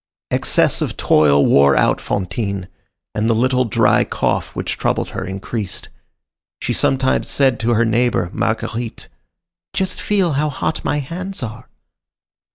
Excess of toil wore out Fantine, and the little dry cough which troubled her increased. She sometimes said to her neighbor, Marguerite, "Just feel how hot my hands are!"